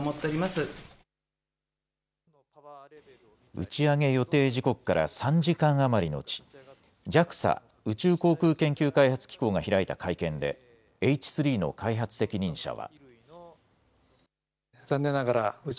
打ち上げ予定時刻から３時間余り後、ＪＡＸＡ・宇宙航空研究開発機構が開いた会見で、Ｈ３の開発責任者は。